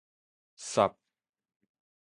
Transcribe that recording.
霎